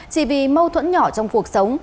chỉ vì mâu thuẫn nhỏ trong cuộc sống